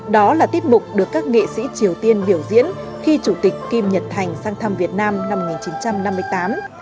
đó là tiết mục được các nghệ sĩ triều tiên biểu diễn khi chủ tịch kim nhật thành sang thăm việt nam năm một nghìn chín trăm năm mươi tám